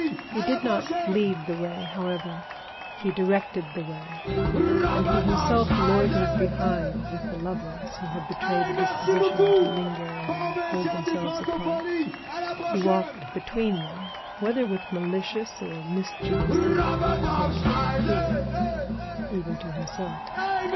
He did not lead the way, however, he directed the way; and he himself loitered behind with the lovers, who had betrayed a disposition to linger and hold themselves apart. He walked between them, whether with malicious or mischievous intent was not wholly clear, even to himself.